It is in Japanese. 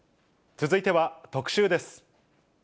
続いては特集です。